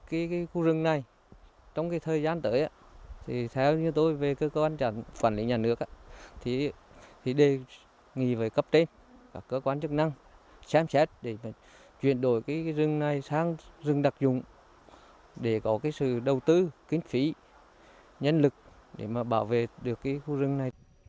để muốn bảo vệ được khu rừng này trong thời gian tới theo như tôi về cơ quan phản lý nhà nước thì đề nghị với cấp tên và cơ quan chức năng xem xét để chuyển đổi rừng này sang rừng đặc dụng để có sự đầu tư kiến phí nhân lực để bảo vệ được khu rừng này